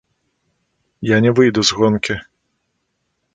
Я не выйду з гонкі.